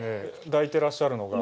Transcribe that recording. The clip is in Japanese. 抱いてらっしゃるのが？